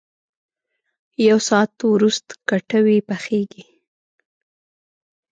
یو ساعت ورست کټوۍ پخېږي.